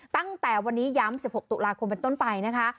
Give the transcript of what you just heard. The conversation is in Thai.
ตั้งแต่วันนี้ย้ำ๑๖ตุลาคมเป็นต้นไปนะคะ